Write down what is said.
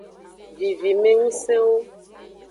Vivimengusenwo.